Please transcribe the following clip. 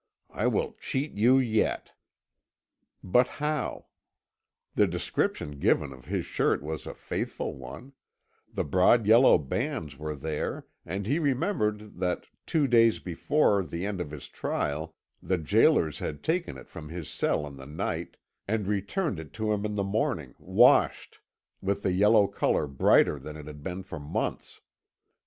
I will cheat you yet!" But how? The description given of his shirt was a faithful one; the broad yellow bands were there, and he remembered that, two days before the end of his trial, the gaolers had taken it from his cell in the night, and returned it to him in the morning, washed, with the yellow colour brighter than it had been for months.